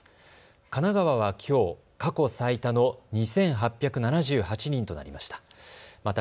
神奈川はきょう過去最多の２８７８人となりました。